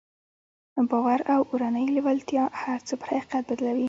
باور او اورنۍ لېوالتیا هر څه پر حقيقت بدلوي.